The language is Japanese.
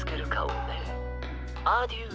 アデュー。